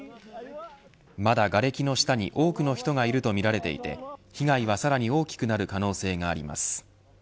まだがれきの下に多くの人がいるとみられていて被害はさらに大きくなる可能性があります。